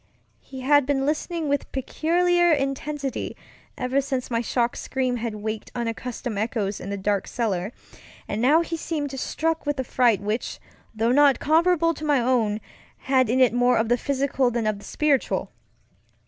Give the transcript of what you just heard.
He had been listening with peculiar intensity ever since my shocked scream had waked unaccustomed echoes in the dark cellar, and now he seemed struck with a fright which, though not comparable to my own, had in it more of the physical than of the spiritual.